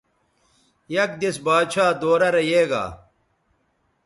یک دیس باچھا دورہ رے یے گا